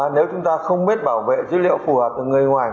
nếu chúng ta không biết bảo vệ dữ liệu phù hợp từ người ngoài